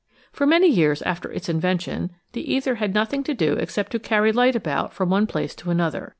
For many years after its invention the ether had nothing to do except to carry light about from one place to another.